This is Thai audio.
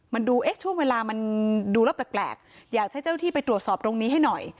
มันดูเอ๊ะช่วงเวลามันดูแล้วแปลกอยากให้เจ้าที่ไปตรวจสอบตรงนี้ให้หน่อย